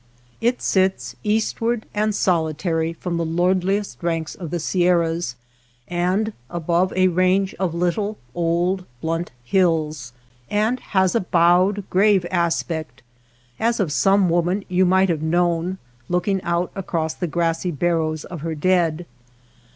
It sits eastward and solitary from the lordliest ranks of the Sierras, and above a range of little, old, blunt hills, and has a bowed, grave aspect as of some woman you might have known, looking out across the grassy barrows of her dead.